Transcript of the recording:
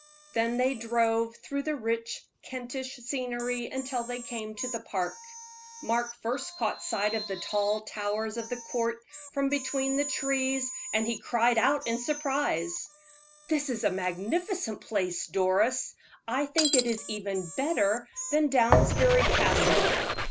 Then they drove through the rich Kentish scenery until they came to the park. Mark first caught sight of the tall towers of the Court from between the trees, and he cried out in surprise: "This is a magnificent place, Doris. I think it is even better than Downsbury Castle."